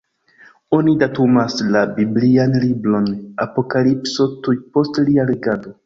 Oni datumas la biblian libron Apokalipso tuj post lia regado.